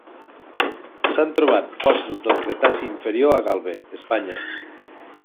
S"han trobat fòssils del cretaci inferior a Galve, Espanya.